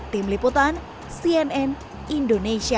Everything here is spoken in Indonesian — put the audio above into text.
tim liputan cnn indonesia